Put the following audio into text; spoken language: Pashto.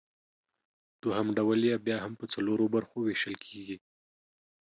دوهم ډول یې بیا هم پۀ څلورو برخو ویشل کیږي